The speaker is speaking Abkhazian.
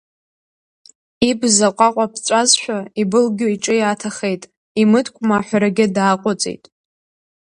Ибз аҟәаҟәа ԥҵәазшәа ибылгьо иҿы иааҭахеит, имыткәма ҳәарагьы дааҟәыҵит.